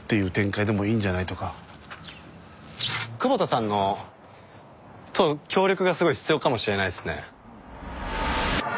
久保田さんの協力がすごい必要かもしれないっすね。